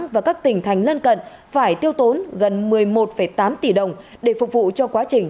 và các tỉnh thành lân cận phải tiêu tốn gần một mươi một tám tỷ đồng để phục vụ cho quá trình